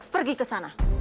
pergi ke sana